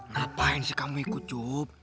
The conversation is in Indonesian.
ngapain sih kamu ikut